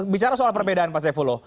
bicara soal perbedaan pak saifullah